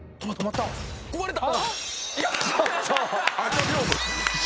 壊れた！